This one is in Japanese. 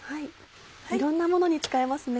いろんなものに使えますね。